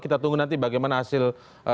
kita tunggu nanti bagaimana hasil